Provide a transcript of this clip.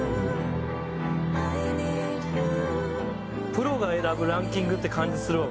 プロが選ぶランキングって感じするわ